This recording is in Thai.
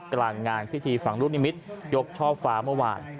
กลางงานพิธีฝังลูกนิมิตรยกช่อฟ้าเมื่อวาน